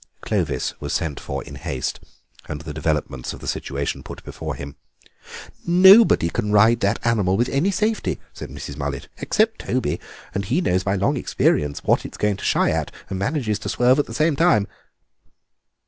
Clovis was sent for in haste, and the developments of the situation put before him. "Nobody can ride that animal with any safety," said Mrs. Mullet, "except Toby, and he knows by long experience what it is going to shy at, and manages to swerve at the same time."